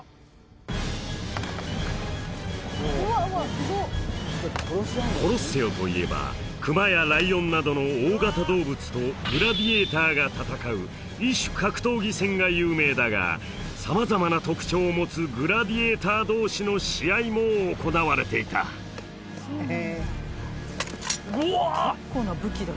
しっかりコロッセオといえばクマやライオンなどの大型動物とグラディエーターが戦う異種格闘技戦が有名だが様々な特徴を持つグラディエーター同士の試合も行われていたうわ！